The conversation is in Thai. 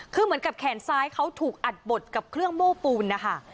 คือเหมือนกับแขนซ้ายเขาถูกอัดบดกับเครื่องโม้ปูนนะคะ